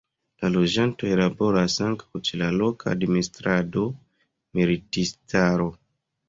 La loĝantoj laboras ankaŭ ĉe la loka administrado, militistaro.